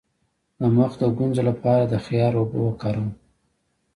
د مخ د ګونځو لپاره د خیار اوبه وکاروئ